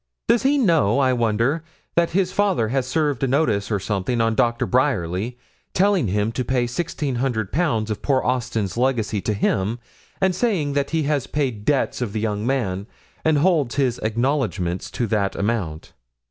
Does he know, I wonder, that his father has served a notice or something on Dr. Bryerly, telling him to pay sixteen hundred pounds of poor Austin's legacy to him, and saying that he has paid debts of the young man, and holds his acknowledgments to that amount?